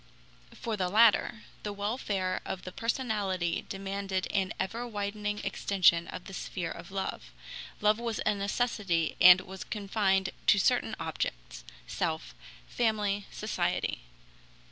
For the latter, the welfare of the personality demanded an ever widening extension of the sphere of love; love was a necessity and was confined to certain objects self, family, society.